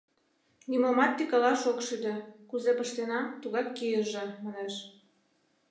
Нимомат тӱкалаш ок шӱдӧ, кузе пыштенам, тугак кийыже, манеш.